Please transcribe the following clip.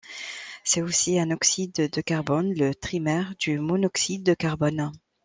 C'est aussi un oxyde de carbone, le trimère du monoxyde de carbone.